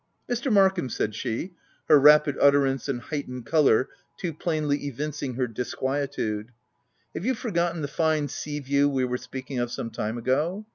11 Mr. Markham/' said she, her rapid utter ance and heightened colour too plainly evincing OF WILDFELL HALL. 121 her disquietude ;" have you forgotten the fine sea view we were speaking of some time ago